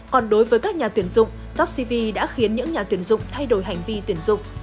còn đối với các nhà tuyển dụng topcv đã khiến những nhà tuyển dụng thay đổi hành vi tuyển dụng